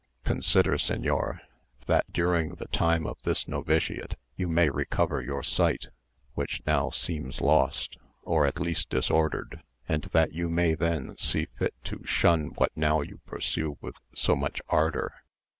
Consider, señor, that during the time of this novitiate you may recover your sight, which now seems lost, or at least disordered, and that you may then see fit to shun what now you pursue with so much ardour.